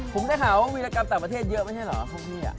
ผมได้หาว่าวิรกรรมต่างประเทศเยอะไม่ใช่เหรอพวกพี่